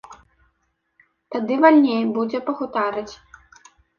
Тады вальней будзе пагутарыць.